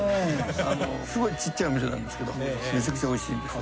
すごい小さいお店なんですけどめちゃくちゃおいしいんです。